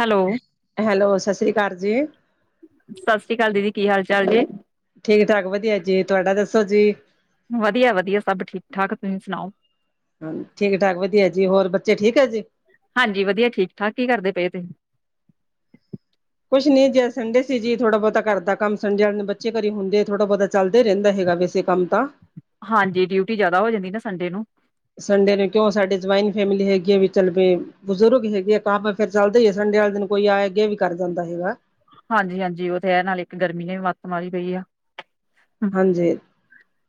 Hello, hello ਸਤਿ ਸ੍ਰੀ ਅਕਾਲ ਜੀ ਸਤਿ ਸ੍ਰੀ ਅਕਾਲ ਦੀਦੀ ਕੀ ਹਾਲ ਚਾਲ ਜੇ ਠੀਕ ਠਾਕ ਵਧੀਆ ਜੀ ਤੁਹਾਡਾ ਦੱਸੋ ਜੀ ਵਧੀਆ ਵਧੀਆ ਸਭ ਠੀਕ ਠਾਕ ਤੁਸੀਂ ਸੁਣਾਓ ਹਾਂਜੀ ਠੀਕ ਠਾਕ ਵਧੀਆ ਜੀ ਹੋਰ ਬੱਚੇ ਠੀਕ ਹੈ ਜੀ ਹਾਂਜੀ ਵਧੀਆ ਠੀਕ ਠਾਕ ਕੀ ਕਰਦੇ ਪਏ ਤੇ ਕੁਛ ਨੀ ਜੇ ਸੰਡੇ ਸੀ ਜੀ ਥੋੜਾ ਬਹੁਤਾ ਘ ਕਰਦਾ ਕੰਮ ਸੰਡੇ ਵਾਲੇ ਨੂੰ ਬੱਚੇ ਘੀ ਹੁੰਦੇ ਥੋੜਾ ਬਹੁਤਾ ਚੱਲਦਾ ਰਹਿੰਦਾ ਹੈਗਾ ਵੈਸੇ ਕੰਮ ਤਾਂ ਹਾਂਜੀ ਡਿਊਟੀ ਜਿਆਦਾ ਹੋ ਜਾਂਦੀ ਨਾ ਸੰਡੇ ਨੂੰ ਸੰਡੇ ਨੂੰ ਕਿਉਂ ਸਾਡੇ ਜੁਆਇੰਟ ਫੈਮਿਲੀ ਹੈਗੀ ਹੈ ਵੀ ਚੱਲ ਪ ਬਜ਼ੁਰਗ ਹੈਗੇ ਆ ਕ ਫੇਰ ਚੱਲਦੇ ਹੀ ਆਏ ਸੰਡੇ ਵਾਲੇ ਦਿਨ ਕੋਈ ਆ ਅੱਗੇ ਵੀ ਕਰ ਜਾਂਦਾ ਹੈਗਾ ਹਾਂਜੀ ਹਾਂਜੀ ਉਹ ਤੇ ਹੈ ਨਾਲੇ ਇੱਕ ਗਰਮੀ ਨੇ ਵੀ ਮੱਤ ਮਾਰੀ ਪਈ ਆ ਹਾਂਜੀ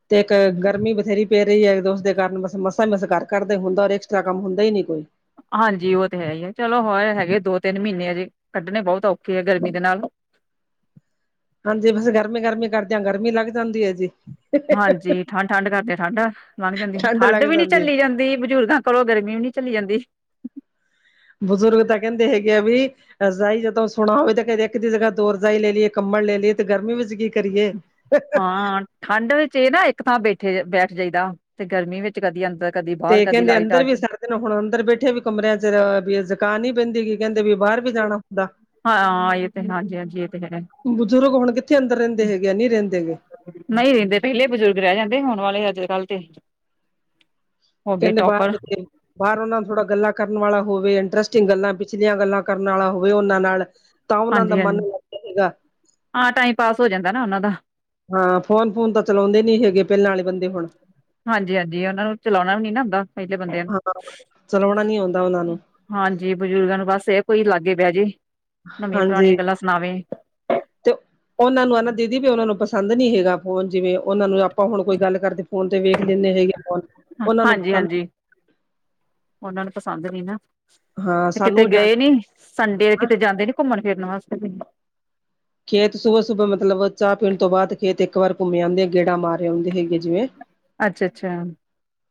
ਤੇ ਇੱਕ ਗਰਮੀ ਬਥੇਰੀ। ਪੇ ਰਹੀ ਹੈ ਦੋ ਉਸਦੇ ਕਾਰਨ ਬਸ ਮਸਾਂ ਮਸ ਕਰਦਾ ਹੀ ਹੁੰਦਾ ਐਕਸਟਰਾ ਕੰਮ ਹੁੰਦਾ ਹੀ ਨੀ ਕੋਈ ਹਾਂਜੀ ਉਹ ਤੇ ਹੈ ਹੀ ਹੈ ਚਲੋ ਹੋਏ ਹੈਗੇ ਦੋ ਤਿੰਨ ਮਹੀਨੇ ਆ ਜੇ ਕੱਢਣੇ ਬਹੁਤ ਔਖੇ ਆ ਗਰਮੀ ਦੇ ਨਾਲ। ਹਾਂਜੀ ਬਸ ਗਰਮੀ -ਗਰਮੀ ਕਰਦਿਆਂ ਗਰਮੀ ਲੱਗ ਜਾਂਦੀ ਹੈ ਜੀ। ਹਾਂਜੀ ਠੰਡ ਠੰਢ ਕਰਦੇ ਠੰਡ ਲੱਗ ਜਾਂਦੀ ਠੰਡ ਵੀ ਨੀ ਚੀ ਜਾਂਦੀ। ਬਜ਼ੁਰਗਾਂ ਕਰੋਂ ਗਰਮੀ ਵੀ ਨੀ ਝੱਲੀ ਜਾਂਦੀ। ਬਜ਼ੁਰਗ ਤਾਂ ਕਹਿੰਦੇ ਹੈਗੇ ਆ ਵੀ। ਰਜਾਈ ਜਦੋਂ ਸੁਣਾ ਹੋਵੇ ਤਾਂ ਕ ਇੱਕ ਦੀ ਜਗਾ ਦੋ ਰਜਾਈ ਲੈ ਲਈਏ ਕੰਬਲ ਲੈ ਲਈਏ, ਤੇ ਗਰਮੀ ਵਿੱਚ ਕਰੀਏ ਹਾਂ ਠੰਡ ਵਿੱਚ ਇਹ ਨਾ ਇੱਕ ਥਾਂ ਬੈਠੇ- ਬੈਠ ਜਾਈਦਾ। ਤੇ ਗਰਮੀ ਵਿੱਚ ਕਦੀ ਅੰਦਰ ਕਦੀ ਬਾਹਰ ਤੇ ਕਦੀ ਕਹਿੰਦੇ ਲਾਈਟ ਆ ਅੰਦਰ ਵੀ ਗਈ। ਸਰਦੇ ਹੁਣ ਅੰਦਰ ਬੈਠੇ ਵੀ ਕਮਰਿਆਂ ਚ' ਵੀ ਜ਼ੁਕਾਨ ਹੀ ਬੈਂਦੀ ਹੈਗੀ। ਕਹਿੰਦੇ ਵੀ ਬਾਹਰ ਵੀ ਜਾਣਾ ਹੁੰਦਾ। ਹਾਂ। ਇਹ ਤੇ ਹਾਂਜੀ- ਹਾਂਜੀ ਇਹ ਤੇ ਹੈ। ਬਜ਼ੁਰਗ ਹੁਣ ਕਿੱਥੇ ਅੰਦਰ ਰਹਿੰਦੇ ਹੈਗੇ ਆ ਨਹੀਂ ਰਹਿੰਦੇ ਹੈਗੇ। ਨਹੀਂ। ਰਹਿੰਦੇ ਪਹਿਲੇ ਬਜ਼ੁਰਗ ਰਹਿ ਜਾਂਦੇ ਹੋੁਣ ਵਾਲੇ ਅੱਜ- ਕੱਲ੍ਹ ਤੇ ਹੋ ਗਏ ਕੇਹਦੇ ਟੋਪਰ ਬਾਹਰ ਕਿਥੇ? ਬਾਹਰ ਉਹਨਾਂ ਨੂੰ ਥੋੜ੍ਹਾ ਗੱਲਾਂ ਕਰਨ ਵਾਲਾ ਹੋਵੇ ਇੰਟਰਸਟਿੰਗ ਗੱਲਾਂ ਪਿਛਲੀਆਂ ਗੱਲਾਂ ਕਰਨ ਵਾਲਾ ਹੋਵੇ ਉਹਨਾਂ ਨਾਲ। ਤਾਂ ਉਹਨਾਂ ਦਾ ਹਾਂਜੀ ਮਨ ਹਾਂਜੀ ਲੱਗਦਾ ਹੈਗਾ। ਹਾਂ। ਟਾਈਮ ਪਾਸ ਹੋ ਜਾਂਦਾ ਨਾ। ਉਹਨਾਂ ਦਾ ਹਾਂ। ਫੋਨ -ਫੂਨ ਤਾਂ ਚਲਾਉਂਦੇ ਨੀ ਹੈਗੇ ਪਹਿਲਾਂ ਵਾਲੇ ਬੰਦੇ ਹੁਣ। ਹਾਂਜੀ -ਹਾਂਜੀ ਉਹਨਾ ਨੂੰ ਚਲਾਉਣਾ ਵੀ ਨੀ ਨਾ ਆਉਦਾ। ਹਾਂ। ਚਲਾਉਣਾ ਨੀ ਆਉਂਦਾ ਉਹਨਾਂ ਨੂੰ। ਹਾਂਜੀ। ਬਜ਼ੁਰਗਾਂ ਨੂੰ ਬਸ ਇਹ ਕੋਈ ਲਾਗੇ ਬਹਿ ਜੇ। ਨਵੀਆਂ- ਹਾਂਜੀ ਪੁਰਾਣੀਆਂ ਗੱਲਾਂ ਸੁਣਾਵੇ। ਤੇ ਉਹਨਾਂ ਨੂੰ ਹਨਾ ਦੀਦੀ ਵੀ ਉਹਨਾਂ ਨੂੰ ਪਸੰਦ ਨੀ ਹੈਗਾ। ਫੋਨ ਜਿਵੇਂ ਉਹਨਾਂ ਨੂੰ ਆਪਾਂ ਹੁਣ ਕੋਈ ਗੱਲ ਕਰਦੇ ਫੋਨ ਤੇ ਵੇਖ ਲੈਂਦੇ ਹੈਗੇ ਆ ਫੋਨ। ਉਹਨਾਂ ਨੂੰ ਹਾਂਜੀ ਪ ਹਾਂਜੀ ਉਹਨਾਂ ਨੂੰ ਪਸੰਦ ਨੀ ਨਾ, ਹਾਂ ਤੇ ਕਿਤੇ ਸਾਨੂੰ ਗਏ ਨੀ? ਡਾਂਟਦੇ ਸੰਡੇ ਕਿਤੇ ਜਾਂਦੇ ਨੀ ਘੁੰਮਣ ਫਿਰਨ ਵਾਸਤੇ। ਖੇਤ ਸੁਬਹਾ- ਸੁਬਹਾ ਮਤਲਬ ਚਾਹ ਪੀਣ ਤੋਂ ਬਾਅਦ ਖੇਤ ਇੱਕ ਵਾਰ ਘੁੰਮੇ ਆਦੇ ਗੇੜਾ ਮਾਰੇ ਆਉਂਦੇ ਹੈਗੇ ਜਿਵੇਂ ਅੱਛਾ- ਅੱਛਾ।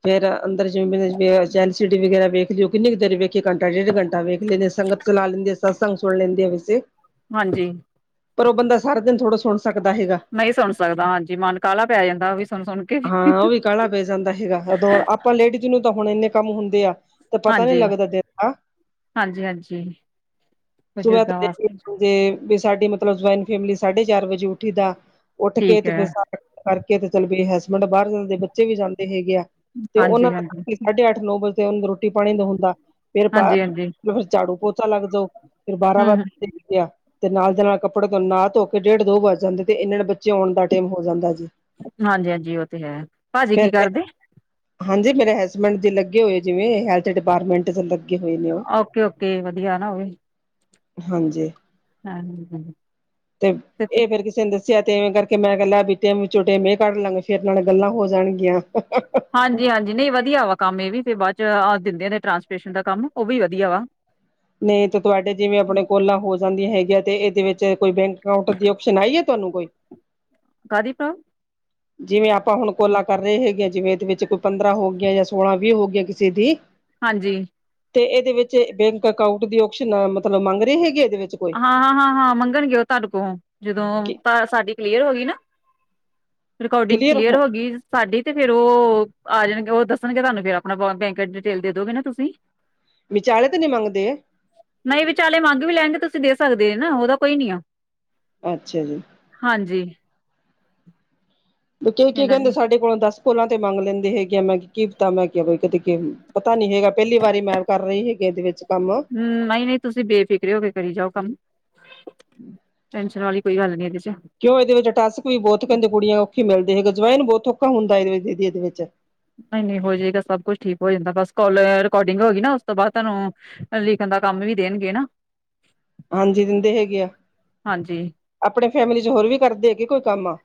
ਫਿਰ ਅੰਦਰ ਜਿਵੇਂ ਚੈਲ ਸਿਟੀ ਵਗੈਰਾ ਵੇਖਦੇ ਹੋ। ਕਿੰਨੀ ਕੁ ਦੇਰ ਵੇਖ ਇੱਕ ਘੰਟਾ- ਡੇਢ ਘੰਟਾ ਵੇਖ ਲੈਂਦੇ ਆ ਸੰਗਤ ਚਲਾ ਲੈਂਦੇ ਆ ਸਤਸੰਗ ਸੁਣ ਲੈਂਦੇ ਆ ਵਸੇ। ਹਾਂਜੀ। ਪਰ ਉਹ ਬੰਦਾ ਸਾਰਾ ਦਿਨ ਥੋੜ੍ਹਾ ਸੁਣ ਸਕਦਾ ਹੈਗਾ। ਨਹੀਂ ਸੁਣ ਸਕਦਾ। ਹਾਂਜੀ। ਮਨ ਕਾਹਲਾ ਪੈ ਜਾਂਦਾ ਉਹ ਵੀ ਸੁਣ- ਸੁਣ ਕੇ। ਹਾਂ ਉਹ ਵੀ ਕਾਹਲਾ ਪੈ ਜਾਂਦਾ ਹੈਗਾ ਉਦੋਂ ਆਪਾਂ ਲੇਡੀਜ਼ ਨੂੰ ਤਾਂ ਹੁਣ ਇੰਨੇ ਕੰਮ ਹੁੰਦੇ ਆ। ਤੇ ਪਤਾ ਨੀ ਹਾਂਜੀ। ਲੱਗਦਾ ਦਿਨ ਦਾ ਹਾਂਜੀ- ਹਾਂਜੀ। ਸੁਬਹ ਬਜ਼ੁਰਗਾਂ ਤੋਂ ਵਾਸਤੇ ਵਜੇ ਸਾਡੀ ਮਤਲਬ ਜੁਇੰਟ ਫੈਮਲੀ ਸਾਢੇ ਚਾਰ ਵਜੇ ਉੱਠੀ ਦਾ। ਉੱਠ ਕੇ ਠੀਕ ਤੇ ਫਿਰ ਹੈ ਸਾਰਾ ਕਰਕੇ ਤੇ ਚੱਲ ਬ ਹਸਬੈਂਡ ਬਾਹਰ ਜਾਂਦੇ, ਬੱਚੇ ਵੀ ਜਾਂਦੇ ਹੈਗੇ ਆ। ਤੇ ਉਹਨਾਂ ਹਾਂਜੀ ਹਾਂਜੀ ਦਾ ਸਾਢੇ ਅੱਠ- ਨੌ ਵਜੇ ਉਹਨੂੰ ਰੋਟੀ- ਪਾਣੀ ਦਾ ਹੁੰਦਾ। ਫੇਰ ਹਾਂਜੀ ਹਾਂਜੀ ਫਿਰ ਝਾੜੂ ਪੋਚਤਾ ਲੱਗ ਜਾਓ। ਫਿਰ ਬਾਰਾਂ ਹਮ ਵਜ ਗਿਆ। ਤੇ ਨਾਲ ਦੇ ਨਾਲ ਕੱਪੜੇ ਤੋਂ ਨਾ- ਧੋ ਕੇ ਡੇਢ- ਦੋ ਵਜ ਜਾਂਦੇ ਤੇ ਇਹਨਾਂ ਨੇ ਬੱਚੇ ਆਉਣ ਦਾ ਟਾਈਮ ਹੋ ਜਾਂਦਾ ਜੀ। ਹਾਂਜੀ- ਹਾਂਜੀ ਉਹ ਤੇ ਹੈ। ਭਾਜੀ ਫਿਰ ਕੀ ਕਰਦੇ? ਹਾਂਜੀ। ਮੇਰੇ ਹਸਬੈਂਡ ਦੀ ਲੱਗੇ ਹੋਏ ਜਿਵੇਂ ਹੈਲਥ ਡਿਪਾਰਟਮੈਂਟ ਲੱਗੇ। ਹੋਏ ਨੇ ਉਹ ਓਕੇ -ਓਕੇ ਵਧੀਆ ਨਾ ਉਹ ਵੀ। ਹਾਂਜੀ। ਹਾਂ ਤੇ ਇਹ ਫੇਰ ਕਿਸੇ ਦੇ ਸਿਆ ਤੇ ਇਵੇਂ ਕਰਕੇ ਮੈਂ ਕਹਿ ਬੀਟੇ ਚੋਟੇ ਮੈਂ ਕੱਢ ਲਾਂਗੇ ਫੇਰ ਨਾਲ ਗੱਲਾਂ ਹੋ ਜਾਣਗੀਆਂ। ਹਾਂਜੀ -ਹਾਂਜੀ ਨਹੀਂ ਵਧੀਆ ਵਾ ਕੰਮ ਇਹ ਵੀ ਫਿਰ ਬਾਅਦ ਚਹ ਦਿੰਦੇ ਆ ਟਰਾਂਸਪਰੇਸ਼ਨ ਦਾ ਕੰਮ ਉਹ ਵੀ ਵਧੀਆ ਵਾ। ਨਹੀਂ ਤੇ ਤੁਹਾਡੇ ਜਿਵੇਂ ਆਪਣੇ ਕੋਲਾ ਹੋ ਜਾਂਦੀਆਂ ਹੈਗੀਆਂ ਤੇ ਇਹਦੇ ਵਿੱਚ ਕੋਈ ਬੈਂਕ ਅਕਾਊਂਟ ਦੀ ਓਪਸ਼ਨ ਆਈ ਹੈ। ਤੁਹਾਨੂੰ ਕੋਈ। ਕਾਦੀ ਪਅ। ਜਿਵੇਂ ਆਪਾਂ ਹੁਣ ਕੋਲਾ ਕਰ ਰਹੇ ਹੈਗੇ ਜਿਵੇਂ ਇਹਦੇ ਵਿੱਚ ਕੋਈ ਪੰਦਰਾਂ ਹੋ ਗਿਆਂ ਜਾਂ ਸੋਲਾਂ ਵੀਹ ਹੋ ਗਿਆਂ ਕਿਸੇ ਦੀ। ਹਾਂਜੀ। ਤੇ ਇਹਦੇ ਵਿੱਚ ਬੈਂਕ ਅਕਾਊਂਟ ਦੀ ਆਪਸ਼ਨ ਮਤਲਬ ਮੰਗ ਰਹੇ ਹੈਗੇ ਇਹਦੇ ਵਿੱਚ ਕੋਈ। ਹਾਂ -ਹਾਂ- ਹਾਂ- ਹਾਂ ਮੰਗਣਗੇ। ਉਹ ਤੁਹਾਡੇ ਕੋਲ ਜਦੋਂ ਸਾਡੀ ਕਲੀਅਰ ਹੋ ਗਈ ਨਾ‌। ਰਿਕਾਰਡਿੰਗ ਕਲੀਅਰ ਹੋ ਗਈ। ਸਾਡੀ ਤੇ ਫੇਰ ਉਹ, ਆ ਜਾਣਗੇ ਉਹ ਦੱਸਣਗੇ ਤੁਹਾਨੂੰ ਫਿਰ ਆਪਣਾ ਬੈਂਕ ਡਿਟੇਲ ਦੇ ਦੋਗੇ ਨਾ ਤੁਸੀਂ। [inaudible] ਵਿਚਾਲੇ ਤਾਂ ਨਹੀਂ ਮੰਗਦੇ। ਨਹੀਂ ਵਿਚਾਲੇ ਮੰਗ ਵੀ ਲੈਣਗੇ ਤੁਸੀਂ ਦੇ ਸਕਦੇ ਆ ਨਾ ਉਹਦਾ ਕੋਈ ਨੀ ਆ। ਅੱਛਾ ਜੀ। ਹਾਂਜੀ। ਬੱਚੇ ਕੀ ਇਹਨਾਂ ਨੇ ਕਹਿੰਦੇ ਸਾਡੇ ਕੋਲੋਂ ਦਸ ਪੁਲਾਂ ਤੇ ਮੰਗ ਲੈਂਦੇ ਹੈਗੇ ਆ ਮੈਂ ਕੀ ਕੀਤਾ ਮੈਂ ਕਿਹਾ ਕੋਈ ਕਦੇ ਪਤਾ ਨੀ ਹੈਗਾ ਪਹਿਲੀ ਵਾਰੀ ਮੈਂ। ਕਰ ਰਹੀ ਹੈਗੀ ਇਹਦੇ ਵਿੱਚ ਕੰਮ। ਹਮ ਨਹੀਂ ਨਹੀਂ ਤੁਸੀਂ ਬੇਫਿਕਰੇ ਹੋ ਕੇ ਕਰੀ ਜਾਓ ਕੰਮ ਟੈਨਸ਼ਨ ਵਾਲੀ। ਕੋਈ ਹੱਲ ਨੀ ਇਹਦੇ ਚ। ਕਿਉਂ ਇਹਦੇ ਵਿੱਚ ਟਾਸ੍ਕ ਵੀ ਬਹੁਤ ਕਹਿੰਦੇ ਕੁੜੀਆਂ ਔਖੀ ਮਿਲਦੇ ਸੀਗੇ ਜੋਇਨ ਬਹੁਤ ਔਖਾ ਹੁੰਦਾ ਇਹਦੇਦੀ ਇਹਦੇ ਵਿੱਚ। ਨਹੀਂ ਨਹੀਂ ਹੋ ਜਾਏਗਾ ਸਭ ਕੁੱਛ ਠੀਕ ਹੋ ਜਾਂਦਾ ਬਸ ਕੋਲ ਰਿਕੋਡਿੰਗ ਹੋਗੀ ਨਾ ਉਸ ਤੋਂ ਬਾਅਦ ਤੁਹਾਨੂੰ। ਲਿਖਣ ਦਾ ਕੰਮ ਵੀ ਦੇਣਗੇ ਨਾ। ਹਾਂਜੀ ਦਿੰਦੇ ਹੈਗੇ ਆ। ਹਾਂਜੀ। ਆਪਣੀ ਫੈਮਿਲੀ ਚ ਹੋਰ ਵੀ ਕਰਦੇ ਹੈ ਕਿ ਕੋਈ ਕੰਮ।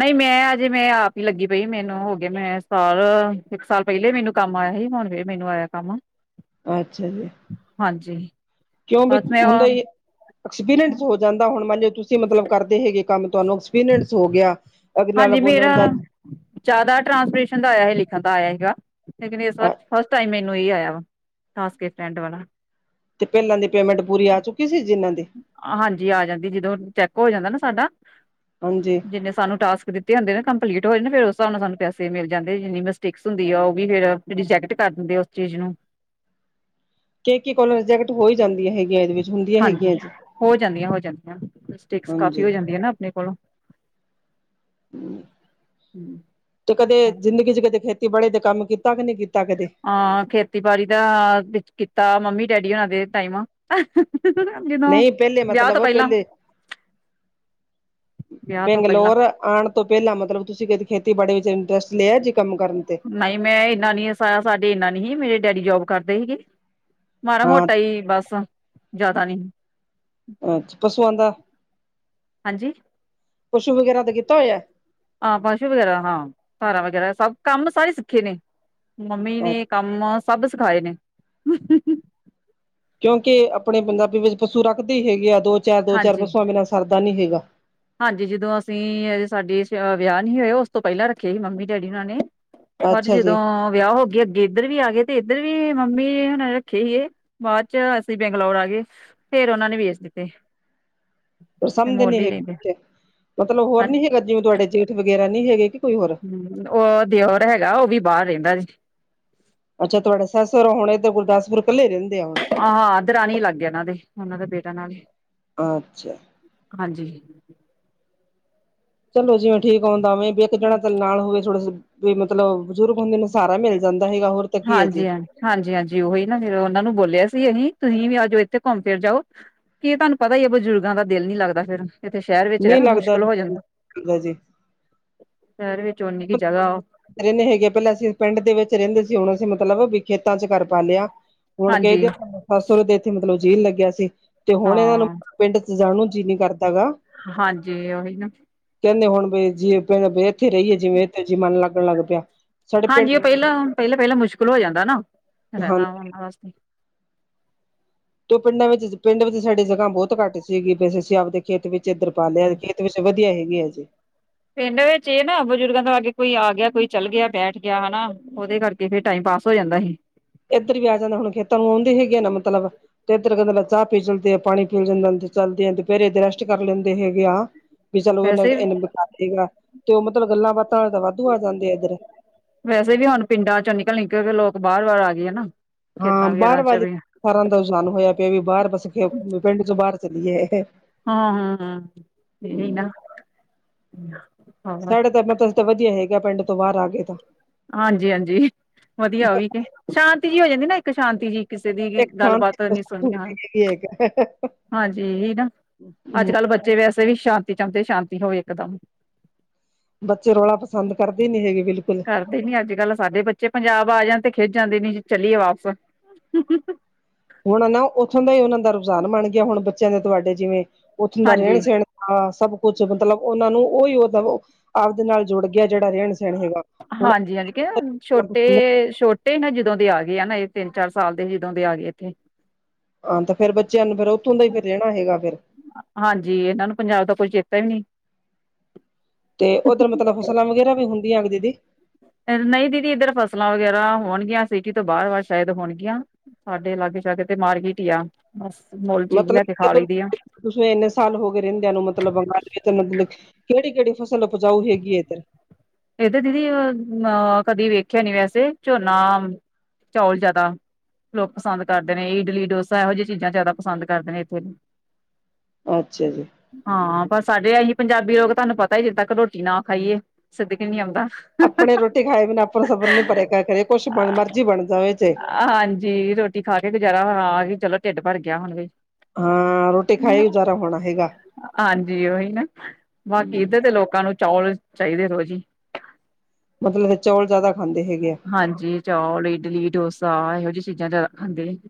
ਨਹੀਂ ਮੈਂ ਅਜੇ ਮੈਂ ਆਪ ਹੀ ਲੱਗੀ ਪਈ ਮੈਨੂੰ ਹੋ ਗਿਆ ਮੈਂ ਸਾਲ ਇੱਕ ਸਾਲ ਪਹਿਲੇ ਮੈਨੂੰ। ਕੰਮ ਆਇਆ ਹੀ ਹੁਣ ਫੇਰ ਮੈਨੂੰ ਆਇਆ ਕੰਮ। ਅੱਛਾ ਜੀ ਹਾਂਜੀ ਕਿਉਂ ਬ ਬਸ ਮੈਂ ਹੁੰਦਾ ਹੀ ਐਕਸਪੀਰੀਅੰਸ ਹੋ ਜਾਂਦਾ ਹੁਣ ਮੰਨ ਲਿਓ ਤੁਸੀਂ ਮਤਲਬ ਕਰਦੇ ਹੈਗੇ ਕੰਮ ਤੁਹਾਨੂੰ ਐਕਸਪੀਰੀਅੰਸ ਹੋ ਗਿਆ। ਅਗਲੇ ਨਾਲ ਹਾਂਜੀ ਮੇਰਾ ਬੋਲਣ ਦਾ ਜ਼ਿਆਦਾ ਟਰਾਂਸਲੇਸ਼ਨ ਦਾ ਆਇਆ ਸੀ ਲਿਖਣ ਦਾ ਆਇਆ ਸੀਗਾ। ਲੇ ਇਸ ਵਾਰ ਫਸਟ ਟਾਈਮ ਮੈਨੂੰ ਇਹ ਆਇਆ ਵਾ ਖਾਸ ਕੇ ਫਰਡ ਵਾਲਾ। ਤੇ ਪਹਿਲਾਂ ਦੀ ਪੇਮੈਂਟ ਪੂਰੀ ਆ ਚੁੱਕੀ ਸੀ ਜਿਨ੍ਹਾਂ ਦੀ। ਹਾਂਜੀ ਆ ਜਾਂਦੀ ਜਦੋਂ ਚੈੱਕ ਹੋ ਜਾਂਦਾ ਨਾ ਸਾਡਾ। ਹਾਂਜੀ। ਜਿੰਨੇ ਸਾਨੂੰ ਟਾਸਕ ਦਿੱਤੇ ਹੁੰਦੇ ਨਾ ਕੰਪਲੀਟ ਹੋਏ ਨਾ ਫਿਰ ਉਸ ਹਿਸਾਬ ਨਾਲ ਸਾਨੂੰ ਪੈਸੇ ਮਿਲ ਜਾਂਦੇ ਜਿੰਨੀ ਮਿਸਟੇਕ ਹੁੰਦੀ ਆ ਉਹ ਵੀ ਫ਼ੇਰ। ਰ ਰਿਜੈਕਟ ਕਰ ਦਿੰਦੇ ਆ ਉਸ ਚੀਜ਼ ਨੂੰ। ਕੇ ਕੀ ਕੋਲੋਂ ਰਿਜੈਕਟ ਹੋਈ ਜਾਂਦੀਆਂ ਹੈਗੀਆਂ ਇਹਦੇ ਵਿੱਚ। ਹੁੰਦੀਆਂ ਹਾਂਜੀ ਹੈਗੀਆਂ ਜੀ ਹੋ ਜਾਂਦੀਆਂ ਹੋ ਜਾਂਦੀਆਂ ਮਿਸਟੇਕਸ ਕਾਫੀ ਹੋ ਹਾਂਜੀ ਜਾਂਦੀਆਂ ਨਾ ਆਪਣੇ ਕੋਲੋਂ। ਤੇ ਕਦੇ ਜ਼ਿੰਦਗੀ ਚ ਕਦੇ ਖੇਤੀਬਾੜੀ ਦਾ ਕੰਮ ਕੀਤਾ ਕਿ ਨਹੀਂ ਕੀਤਾ ਕਦੇ। ਹਾਂ ਖੇਤੀਬਾੜੀ ਦਾ ਵਿੱਚ ਕੀਤਾ ਮੰਮੀ ਡੈਡੀ ਉਹਨਾਂ ਦੇ ਟਾਈਮ। ਜਦੋਂ ਨਹੀਂ ਪਹਿਲੇ ਵਿਆਹ ਤੋਂ ਮਤਲਬ ਪਹਿਲਾਂ। ਪਹਿਲੇ ਵਿਆਹ ਤੋਂ। ਪਹਿਲਾਂ ਲੋਰ ਆਉਣ ਤੋਂ ਪਹਿਲਾਂ ਮਤਲਬ ਤੁਸੀਂ ਕਦੇ ਖੇਤੀਬਾੜੀ ਵਿੱਚ ਇੰਟਰਸਟ ਲਿਆ ਜੀ ਕੰਮ ਕਰਨ ਤੇ। ਨਹੀਂ ਮੈਂ ਇੰਨਾ ਨੀ ਜਾ ਸਾਡੇ ਇਨਾ ਨੀ ਹੀ ਮੇਰੇ ਡੈਡੀ ਜੋਬ ਕਰਦੇ ਹੀਗੇ। ਮਾੜਾ ਹਾਂ ਮੋਟਾ ਈ ਬਸ ਜਿਆਦਾ ਨੀ। ਅੱਛਾ ਪਸੂਆਂ ਦਾ ਹਾਂਜੀ ਪਸ਼ੂ ਵਗੈਰਾ ਦਾ ਕੀਤਾ ਹੋਇਆ। ਹਾਂ ਪਸ਼ੂ ਵਗੈਰਾ ਹਾਂ ਧਾਰਾ ਵਗੈਰਾ ਸਭ ਕੰਮ ਸਾਰੇ ਸਿੱਖੇ ਨੇ। ਮੰਮੀ ਨੇ ਕੰਮ ਸਭ ਸਿਖਾਏ ਨੇ। ਕਿਉਂਕਿ ਆਪਣੇ ਪੰਜਾਬੀ ਵਿੱਚ ਪਸੂ ਰੱਖਦੇ ਹੀ ਹੈਗੇ ਆ ਦੋ ਚਾਰ ਦੋ ਚਾਰ ਹਾਂਜੀ, ਪਸੂਆਂ ਬਿਨਾਂ ਸਰਦਾ ਨੀ ਹੈਗਾ। ਹਾਂਜੀ ਜਦੋਂ ਅਸੀਂ ਸਾਡੇ ਵਿਆਹ ਨਹੀਂ ਹੋਇਆ ਉਸ ਤੋਂ ਪਹਿਲਾਂ ਰੱਖੇ ਸੀ ਮੰਮੀ ਡੈਡੀ ਉਹਨਾਂ ਨੇ। ਹਡ ਅੱਛਾ ਜੀ ਜਦੋਂ ਵਿਆਹ ਹੋ ਗ ਅੱਗੇ। ਇੱਧਰ ਵੀ ਆ ਗਏ ਤੇ ਇੱਧਰ ਵੀ ਮੰਮੀ ਹੁਣੇ ਰੱਖੇ ਸੀਗੇ ਬਾਅਦ ਚ ਅਸੀਂ ਬੰਗਲੌਰ ਆ ਗਏ। ਫੇਰ ਉਹਨਾਂ ਨੇ ਵੇਚ ਦਿੱਤੇ। ਪਰ ਤੇ ਸਮਝਦੇ ਨੀ ਮੁੱਲ ਹੀ ਹੈਗੇ ਲੈਂਦੇ ਬੇ ਮਤਲਬ ਹੋਰ ਨੀ ਹੈਗਾ ਜਿਵੇਂ ਤੁਹਾਡੇ ਜੇਠ ਵਗੈਰਾ ਨੀ ਹੈਗੇ ਕਿ ਕੋਈ ਹੋਰ। ਹਮ ਉਹ ਦਿਓਰ ਹੈਗਾ ਉਹ ਵੀ ਬਾਹਰ ਰਹਿੰਦਾ ਜੀ। ਅੱਛਾ ਤੁਹਾਡਾ ਸੱਸ ਸੁਰਰਾ ਹੋਣੇ ਗੁਰਦਾਸਪੁਰੱ ਕੱਲੇ ਰਹਿੰਦੇ ਆ ਹੁਨ। ਆ ਦਰਾਣੀ ਲਾਗੇ ਇਹਨਾਂ ਦੇ ਉਹਨਾਂ ਦੇ ਬੇਟਾ ਨਾਲ। ਅੱਛਾ ਹਾਂਜੀ। ਚਲੋ ਜਿਵੇਂ ਠੀਕ ਹੋਂਦਾ ਹੋਵੇ ਵੀ ਇੱਕ ਜਾਣਾ ਨਾਲ ਹੋਵੇ ਥੋੜਾ। ਵੀ ਮਤਲਬ, ਬਜ਼ੁਰਗ ਹੁੰਦੇ ਨੇ, ਸਾਰਾ ਮਿਲ ਜਾਂਦਾ ਹੀਗਾ, ਹੋਰ ਤਾਂ ਕੀ ਹੈ ਜੀ ਹਾਂਜੀ-ਹਾਂਜੀ, ਹਾਂਜੀ-ਹਾਂਜੀ, ਉਹੀ ਨਾ ਉਹਨਾਂ ਨੂੰ ਬੋਲਿਆ ਸੀ ਅਹੀ, ਤੁਹੀਂ ਵੀ ਆਜਾਓ ਇੱਥੇ ਘੁੰਮ-ਫਿਰ ਜਾਓ। ਕੀ ਏ ਤੁਹਾਨੂੰ ਪਤਾ ਹੀ ਆ, ਬਜ਼ੁਰਗਾਂ ਦਾ ਦਿਲ ਨ ਨਹੀਂ ਲੱਗਦਾ ਫਿਰ। ਇਥੇ ਸ਼ਹਿਰ ਵਿੱਚ ਨਹੀਂ ਰਹਿਣਾ ਲੱਗਦਾ ਮੁਸ਼ਕਿਲ ਹੋ ਜਾਂਦਾ। ਲੱਗਦਾ ਜੀ ਸ਼ਹਿਰ ਵਿੱਚ ਓਨੀ ਕੀ ਜਗ੍ਹਾ ਉਹ ਰਹਿੰਨੇ ਹੇਗੇ, ਪਹਿਲਾਂ ਅਸੀਂ ਪਿੰਡ ਦੇ ਵਿੱਚ ਰਹਿੰਦੇ ਸੀ, ਹੁਣ ਅਸੀਂ ਮਤਲਬ ਵੀ ਖੇਤਾਂ'ਚ ਘਰ ਪਾਲਿਆ। ਹੁਣ ਹਾਂਜੀ ਕਹੀਦੇ ਸਾਸ-ਸਹੁਰੇ ਦਾ ਇੱਥੇ ਮਤਲਬ ਜੀ ਨਹੀ ਲੱਗਿਆ ਸੀ, ਤੇ ਹੁਣ ਇਹਨਾਂ ਨੂੰ ਹਾਂ ਪਿੰਡ'ਚ ਜਾਣ ਨੂੰ, ਜੀਅ ਨੀ ਕਰਦਾਗਾ। ਹਾਂਜੀ, ਓਹੀ ਨਾ। ਕਹਿੰਦੇ ਹੁਣ ਬ ਜਿਵੇ, ਇੱਥੇ ਰਹੀਏ, ਜਿਵੇਂ ਇੱਥੇ ਜੀ ਮਨ ਲੱਗਣ ਲੱਗ ਪਿਆ। ਸਾਡੇ ਪਿੰਡ ਹਾਂਜੀ, ਉਹ ਪਹਿਲਾਂ, ਪਹਿਲਾਂ-ਪਹਿਲਾਂ ਮੁਸ਼ਕਿਲ ਹੋ ਜਾਂਦਾ ਨਾ, ਹਾਂ ਰਹਿਣਾ ਓਹਨਾਂ ਵਾਸਤੇ। ਤੇ ਉਹ ਪਿੰਡਾਂ ਵਿੱਚ, ਪਿੰਡ ਵਿੱਚ ਸਾਡੀ ਜਗ੍ਹਾ ਬਹੁਤ ਘੱਟ ਸੀਗੀ, ਬ ਅਸੀਂ ਆਪਦੇ ਖੇਤ ਵਿੱਚ ਇੱਧਰ ਪਾਲਿਆ ਖੇਤ ਵਿੱਚ ਵ ਵਧੀਆ ਹੇਗੀ ਆ ਜੀ। ਪਿੰਡ ਵਿੱਚ ਇਹ ਨਾ ਬਜ਼ੁਰਗਾਂ ਦਾ ਅੱਗੇ ਕੋਈ ਆਗਿਆ, ਕੋਈ ਚੱਲਗਿਆ, ਬੈਠਗਿਆ ਹਨਾ ਉਹਦੇ ਕਰਕੇ ਏਹੇ, ਟਾਈਮ ਪਾਸ ਹੋ ਜਾਂਦਾ ਸੀ। ਇੱਧਰ ਵੀ ਆ ਜਾਣਾ ਹੁਣ, ਖੇਤਾਂ ਨੂੰ ਆਉਂਦੇ ਹੀਨਾ ਮਤਲਬ ਤੇ ਇੱਧਰ ਕਹਿੰਦੇ ਚਾਹ ਪੀ ਚਲ ਜਾਂਦੇ ਆ, ਪਾਣੀ ਪੀ ਜਾਂਦਾ ਚੱਲਦੇ ਆਂ, ਤੇ ਫੇਰ ਇਦ ਰੈਸਟ ਕਰ ਲੈਂਦੇ ਹੈਗੇ ਆ, ਵੀ ਚਲ ਵੈਸੇ ਇਹ ਇਹਨੇ ਬਕਾਰ ਸੀਗਾ, ਤੇ ਉਹ ਮਤਲਬ ਗੱਲਾ-ਬਾਤਾਂ ਵਾਲੇ ਤਾਂ ਵਾਧੂ ਆ ਜਾਂਦੇ ਆ, ਇੱਧਰ। ਵੈਸੇ ਵੀ ਹੁਣ, ਪਿੰਡਾਂ'ਚੋਂ ਨਿਕਲ-ਨਿਕਲਕੇ ਲੋਕ ਬਾਹਰ-ਵਾਰ ਆਗੇ ਆ, ਨਾ। ਹਾਂ, ਖੇਤਾਂ ਬਾਹਰ ਵਗੈਰਾ ਚ ਵਾਲੀ ਵੀ ਸਾਰਾਂ ਦਾ ਰੁਝਾਨ ਹੋਇਆ ਪਿਆ, ਵੀ ਬਾਹਰ ਬਸ ਪਿੰਡ'ਚੋਂ ਬਾਹਰ ਚੱਲੀਏ। ਹਾਂ, ਹੂੰ, ਹੂੰ ਇਹੀ ਨਾ, ਹੋਰ‌ ਤੇ ਵਧੀਆ ਹੈਗਾ, ਪਿੰਡ ਤੋਂ ਬਾਹਰ ਆਗੇ ਤਾਂ। ਹਾਂਜੀ-ਹਾਂਜੀ, ਵਧੀਆ ਉਹ ਵੀ ਤੇ, ਸ਼ਾਂਤੀ ਜਿਹੀ ਹੋ ਜਾਂਦੀ ਨਾ, ਇੱਕ ਸ਼ਾਂਤੀ ਜਿਹੀ। ਕਿਸੇ ਦੀ ਵੀ, ਇੱਕ ਗੱਲਬਾਤ ਨੀ ਸ਼ਾਂਤੀ ਸੁਨਣੀਆ ਹੈਗੀ ਹੈਗਾ ਹਾਂਜੀ, ਇਹੀ ਨਾ। ਅੱਜ-ਕੱਲ ਬੱਚੇ ਵੈਸੇ ਵੀ, ਸ਼ਾਂਤੀ ਚਾਹੁੰਦੇ, ਸ਼ਾਂਤੀ ਹੋਵੇ ਇੱਕਦਮ। ਬੱਚੇ ਰੌਲਾ ਪਸੰਦ ਕਰਦੇ ਨੀ ਹੈਗੇ, ਬਿਲਕੁਲ। ਕਦੇ ਨੀ ਅੱਜ-ਕੱਲ, ਸਾਡੇ ਬੱਚੇ ਪੰਜਾਬ ਆ ਜਾਣ ਤੇ ਖਿਝ ਜਾਂਦੇ ਨੇ ਜੀ, ਚੱਲੀਏ ਵਾਪਸ। ਹੁਣ ਨਾ, ਉੱਥੋਂ ਦਾ ਹੀ ਉਹਨਾਂ ਦਾ ਰੁਝਾਨ ਬਣਗਿਆ। ਹੁਣ ਬੱਚਿਆਂ ਦੇ ਤੁਹਾਡੇ ਜਿਵੇਂ, ਉੱਥੋਂ ਦਾ ਹਾਂਜੀ ਰਹਿਣ-ਸਹਿਣ। ਹਾਂ, ਸਭ ਕੁਛ ਮਤਲਬ ਉਹਨਾਂ ਨੂੰ, ਉਹੀ ਉਹਦਾ ਆਪਦੇ ਨਾਲ ਜੁੜਗਿਆ, ਜਿਹੜਾ ਰਹਿਣ ਸਹਿਣ ਹੈਗਾ ਹੁਣ ਹਾਂਜੀ-ਹਾਂਜੀ, ਕੇ ਛੋਟੇ, ਛੋ ਨੇ ਨਾ ਜਦੋਂ ਦੇ ਆਗਏ ਆ ਨਾ, ਇਹ ਤਿੰਨ-ਚਾਰ ਸਾਲ ਦੇ ਜਦੋਂ ਦੇ ਆ ਗਏ ਇੱਥੇ। ਹਾਂ ਤੇ ਫਿਰ, ਬੱਚਿਆਂ ਨੂੰ ਫਿਰ ਉੱਥੋਂ ਦਾ ਹੀ ਫਿਰ ਰੇਣਾ ਹੈਗਾ, ਫਿਰ। ਹਾਂਜੀ। ਇਹਨਾਂ ਨੂੰ ਪੰਜਾਬ ਦਾ ਕੋਝ ਚੇਤਾ ਈ ਨੀ। ਤੇ, ਉੱਧਰ ਮਤਲਬ ਫਸਲਾਂ ਵਗੈਰਾ ਵੀ ਹੁੰਦੀਆਂ ਨੇ ਦੀਦੀ? ਨਹੀਂ ਦੀਦੀ, ਇੱਧਰ ਫਸਲਾਂ ਵਗੈਰਾ ਹੋਣਗੀਆਂ ਸਿਟੀ ਤੋਂ ਬਾਹਰ-ਵਾਰ ਸ਼ਾਇਦ ਹੋਣਗੀਆਂ। ਸਾਡੇ ਲਾਗੇ-ਸ਼ਾਗੇ ਤੇ ਮਾਰਕੀਟ ਈ ਆ, ਬਸ ਮੁੱਲ ਚੀਜ਼ ਲੈਕੇ ਖਾ ਲਈ ਦੀ ਆ। ਤੁਸਨੁੰ ਇੰਨੇ ਸਾਲ ਹੋਗੇ ਰ੍ਹੇਦਿਆਂ ਨੂੰ, ਮਤਲਬ ਬੰਗਾਲੀ ਤਾਂ ਮਤਲਬ ਕਿਹੜੀ-ਕਿਹੜੀ ਫਸਲ ਉਪਜਾਊ ਹੇਗੀ ਆ, ਇੱਧਰ? ਇੱਧਰ ਦੀਦੀ, ਅ ਕਦੀ ਵੇਖਿਆ ਨੀ ਵੈਸੇ, ਝੋਨਾ, ਚੌਲ ਜਿਆਦਾ। ਲੋਕ ਪਸੰਦ ਕਰਦੇ ਨੇ। ਇਡਲੀ, ਡੋਸਾ ਇਹੋ ਜਿਹੀਆਂ ਚੀਜ਼ਾਂ ਜ਼ਿਆਦਾ ਪਸੰਦ ਕਰਦੇ ਨੇ ਇੱਥੇ। ਅੱਛਾ ਜੀ। ਹਾਂ, ਪਰ ਸਾਡੇ ਐ ਜੀ ਪੰਜਾਬੀ ਲੋਕ ਤੁਹਾਨੂੰ ਪਤਾ ਹੀ, ਜਦੋਂ ਤੱਕ ਰ੍ਹੋਟੀ ਨਾ ਖਾਈਏ, ਸਿੱਧਕ ਹੀ ਨੀ ਆਉਂਦਾ। ਆਪਣੇ ਰੋਟੀ ਖਾਏ ਬਿਨਾਂ ਆਪਾਂ ਨੂੰ ਸਬਰ ਨੂੰ ਨਹੀਂ ਪਰੇਗਾ, ਘਰੇ ਕੁਛ ਬਣ ਮਰਜੀ ਬਣ ਜਾਵੇ ਜੇ। ਹਾਂਜੀ, ਰ੍ਹੋਟੀ ਖਾਕੇ ਗੁਜ਼ਾਰਾ, ਆ ਹੀ ਚਲੋ, ਢਿੱਡ ਭਰਗਿਆ ਹੁਣ ਵੀ। ਹਾਂ, ਰੋਟੀ ਖਾਈ ਗੁਜ਼ਾਰਾ ਹੋਣਾ ਹੇਗਾ। ਹਾਂਜੀ ਉਹੀ ਨਾ, ਬਾਕੀ ਇੱਧਰ ਦੇ ਲੋਕਾਂ ਨੂੰ ਚੌਲ ਚਾਹੀਦੇ ਰੋਜ਼। ਜੀ। ਮਤਲਬ, ਇਹ ਚੌਲ ਜ਼ਿਆਦਾ ਖਾਂਦੇ ਹੇਗੇ ਆ। ਹਾਂਜੀ, ਚੌਲ, ਇਡਲੀ, ਡੋਸਾ ਇਹੋ ਜਿਹੀ ਚੀਜ਼ਾਂ ਜ਼ਿਆਦਾ ਖਾਂਦੇ ਆ।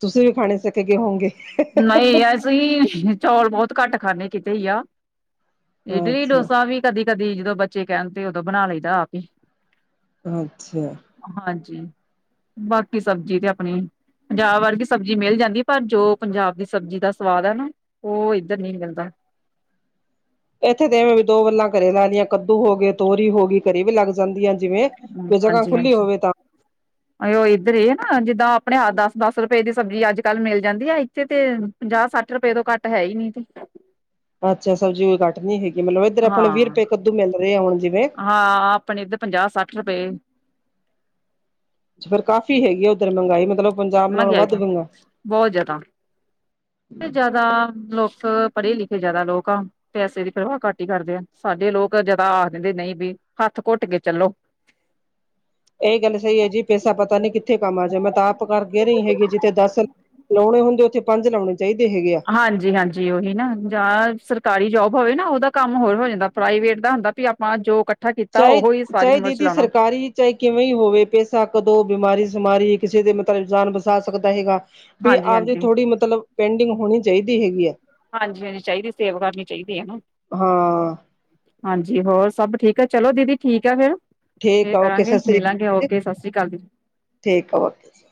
ਤੁਸੀਂ ਵੀ ਖਾਣੇ ਸਿੱਖ ਗਏ ਹੋਂਗੇ। ਨਹੀਂ, ਅਸੀਂ ਚੌਲ ਬਹੁਤ ਘੱਟ ਖਾਣੇ ਕਿਤੇ ਹੀ ਆ। ਇਡਲੀ ਅੱਛਾ ਡੋਸਾ ਵੀ ਕਦੀ-ਕਦੀ ਜਦੋਂ ਬੱਚੇ ਕਹਿਣਦੇ ਉਦੋਂ ਬਣਾ ਲਈਦਾ ਆਪ ਹੀ। ਅੱਛਾ। ਹਾਂਜੀ। ਬਾਕੀ ਸਬਜ਼ੀ ਤੇ ਆਪਣੀ, ਪੰਜਾਬ ਵਰਗੀ ਸਬਜ਼ੀ ਮਿਲ ਜਾਂਦੀ ਪਰ ਜੋ ਪੰਜਾਬ ਦੀ ਸਬਜ਼ੀ ਦਾ ਸਵਾਦ ਐ ਨਾ, ਉਹ ਇੱਧਰ ਨੀ ਮਿਲਦਾ। ਇੱਥੇ ਤੇ ਐਵੇਂ ਵੀ ਦੋ ਵੱਲਾਂ ਘਰੇ ਲਾ ਲਈਆ, ਕੱਦੂ ਹੋ ਗਏ, ਤੋਰੀ ਹੋ ਗਈ ਘਰੇ ਵੀ ਲੱਗ ਜਾਂਦੀਆ ਜਿਵੇਂ‌। ਜੇ ਜਗ੍ਹਾ ਖੁੱਲੀ ਹੋਵੇ ਤਾਂ। ਉਹੀ ਇੱਧਰ ਇਹ ਏ ਨਾ, ਜਿੱਦਾਂ ਆਪਣੇ ਆਪ ਦਸ-ਦਸ ਰੁਪਏ ਦੀ ਸਬਜ਼ੀ ਅੱਜ-ਕੱਲ ਮਿਲ ਜਾਂਦੀ ਆ ਇੱਥੇ ਤੇ। ਪੰਜਾਹ-ਸੱਠ ਰੁਪਏ ਤੋਂ ਘੱਟ ਹੈ ਹੀ ਨੀ ਇੱਥੇ ਤੇ। ਅੱਛਾ, ਸਬਜ਼ੀ ਕੋਈ ਘੱਟ ਨਹੀਂ ਹੈਗੀ ਮਤਲਬ ਇੱਧਰ ਆਪਾਂ ਵੀਹ ਰੁਪਏ ਕੱਦੂ ਮਿਲ ਰਹੇ ਹਾਂ ਹੁਣ ਜਿਵੇਂ। ਹਾਂ-ਹਾਂ ਆਪਣੇ ਇੱਧਰ ਪੰਜਾਹ ਸੱਠ ਰੁਪਏ। ਅੱਛਾ, ਫਿਰ ਕਾਫ਼ੀ ਹੈਗੀ ਆ ਉੱਧਰ ਮਹਿੰਗਾਈ ਮਤਲਬ ਪੰਜਾਬ ਨਾਲੋਂ ਵੱਧ ਮਹਿੰਗਾਈ। ਬਹੁਤ ਜਿਆਦਾ। ਇੱਥੇ ਜਿਆਦਾ ਲੋਕ, ਪੜ੍ਹੇ ਲਿਖੇ ਜਿਆਦਾ ਲੋਕ ਆ। ਪੈਸੇ ਦੀ ਪਰਵਾਹ ਘੱਟ ਹੀ ਕਰਦੇ ਆ, ਸਾਡੇ ਲੋਕ ਜਿਆਦਾ ਆਖ ਦਿੰਦੇ ਨਹੀਂ ਵੀ ਹੱਥ ਘੁੱਟ ਕੇ ਚੱਲੋ। ਇਹ ਗੱਲ ਸਹੀ ਐ ਜੀ ਪੈਸਾ ਪਤਾ ਨੀ ਕਿੱਥੇ ਕੰਮ ਆ ਜਾਵੇ, ਮੈਂ ਤਾਂ ਆਪ ਕਹਿ ਰਹੀ ਹੈਗੀ ਜਿੱਥੇ ਦਸ ਲਾਉਣੇ ਹੁੰਦੇ ਉੱਥੇ ਪੰਜ ਲਾਉਣੇ ਚਾਹੀਦੇ ਹੈਗੇ ਆ। ਹਾਂਜੀ-ਹਾਂਜੀ, ਉਹੀ ਨਾ ਜਾਂ ਸਰਕਾਰੀ ਜੋਬ ਹੋਵੇ ਨਾ ਉਹਦਾ ਕੰਮ ਹੋਰ ਹੋ ਜਾਂਦਾ, ਪ੍ਰਾਈਵੇਟ ਦਾ ਹੁੰਦਾ ਵੀ ਆਪਾਂ ਜੋ ਕਰ ਚਾਹੇ ਚਾਹੇ ਜੀਦੀ ਸਰਕਾਰੀ ਚਾਹੇ ਕਿਵੇਂ ਹੀ ਹੋਵੇ ਪੈਸਾ ਕਦੋਂ ਬਿਮਾਰੀ ਸਿਮਾਰੀ ਕਿਸੇ ਦੇ ਮਤਲੱਬ ਜਾਨ ਬਚਾ ਸਕਦਾ ਹੈਗਾ। ਬੀ ਹਾਂਜੀ ਆਪਦੀ ਹਾਂਜੀ ਥੋੜੀ ਮਤਲੱਬ ਪੇਡਿੰਗ ਹੋਣੀ ਚਾਹੀਦੀ ਹੈਗੀ ਆ। ਹਾਂਜੀ-ਹਾਂਜੀ, ਚਾਹੀਦੀ ਸੇਵਾ ਕਰਨੀ ਚਾਹੀਦੀ ਹਨਾ। ਹਾਂ ਹਾਂਜੀ, ਹੋਰ ਸਭ ਠੀਕ ਐ, ਚਲੋ ਦੀਦੀ ਠੀਕ ਆ ਫਿਰ। ਫਿਰ ਠੀਕ ਆ ਓਕੇ ਸਤਿ ਕਰਾਂਗੇ, ਸ੍ਰੀ ਮਿਲਾਂਗੇ ਅਕਾਲ ਓਕੇ ਸਤਿ ਸ਼੍ਰੀ ਅਕਾਲ ਜੀ। ਠੀਕ ਆ, ਓਕੇ ਜੀ।